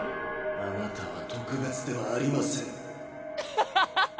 あなたは特別ではありませんアハハハ！